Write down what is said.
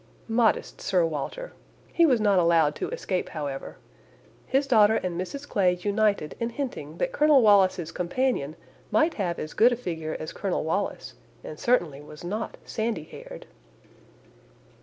Modest Sir Walter! He was not allowed to escape, however. His daughter and Mrs Clay united in hinting that Colonel Wallis's companion might have as good a figure as Colonel Wallis, and certainly was not sandy haired.